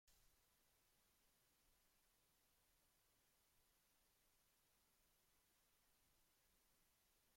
Gerra hau mila bederatziehun eta berrogeita bosgarren urtean amaitu zen.